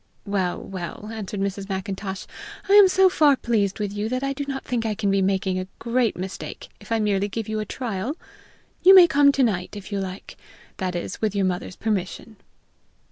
"Well, well!" answered Mrs. Macintosh, "I am so far pleased with you that I do not think I can be making a great mistake if I merely give you a trial. You may come to night, if you like that is, with your mother's permission."